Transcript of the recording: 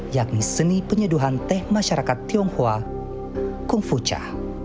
yakni seni penyeduhan teh masyarakat tionghoa kung fu cha